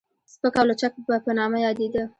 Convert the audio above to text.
سپک او لچک به په نامه يادېده.